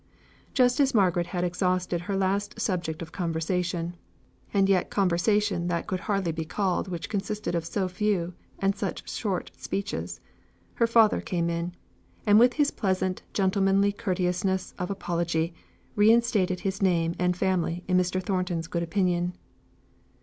Just as Margaret had exhausted her last subject of conversation and yet conversation that could hardly be called which consisted of so few and such short speeches her father came in, and with his pleasant gentlemanly courteousness of apology, reinstated his name and family in Mr. Thornton's good opinion.